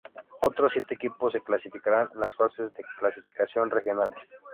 Otros siete equipos se clasificarán en las fases de clasificación regionales.